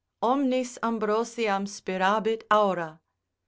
Omnis Ambrosiam spirabit aura.